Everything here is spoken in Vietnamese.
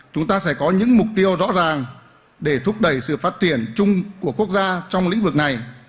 chúng ta sẽ có những mục tiêu rõ ràng để thúc đẩy sự phát triển chung của quốc gia trong lĩnh vực này